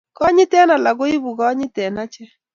Konyit eng alak koipu konyit eng achek